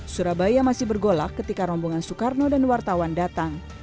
surabaya masih bergolak ketika rombongan soekarno dan wartawan datang